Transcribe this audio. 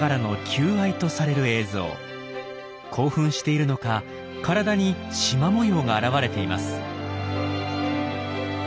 興奮しているのか体に縞模様があらわれています。